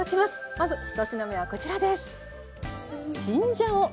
まず１品目はこちらです。